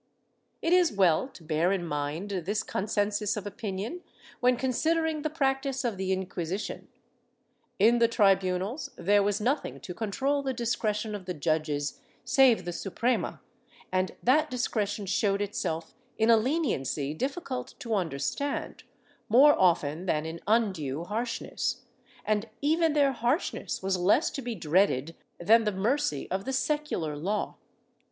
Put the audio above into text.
^ It is well to bear in mind this con sensus of opinion when considering the practice of the Inquisition. In the tribunals there was nothing to control the discretion of the judges save the Suprema, and that discretion showed itself in a leniency difficult to understand, more often than in undue harsh ness, and even their harshness was less to be dreaded than the mercy of the secular law.